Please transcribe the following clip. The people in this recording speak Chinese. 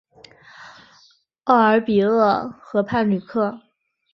奥尔比厄河畔吕克。